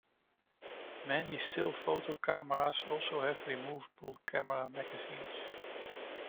Many still photo cameras also have removable camera magazines.